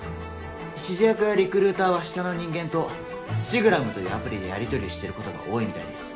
指示役やリクルーターは下の人間とシグラムというアプリでやりとりしてることが多いみたいです。